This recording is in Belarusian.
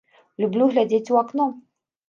Люблю глядзець у акно.